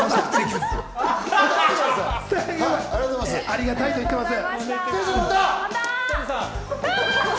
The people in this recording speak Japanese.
ありがたいと言ってます。